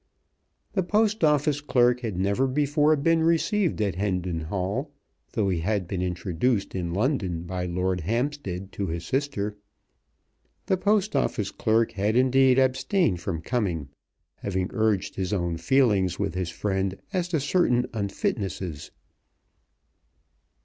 The Post Office clerk had never before been received at Hendon Hall, though he had been introduced in London by Lord Hampstead to his sister. The Post Office clerk had indeed abstained from coming, having urged his own feelings with his friend as to certain unfitnesses.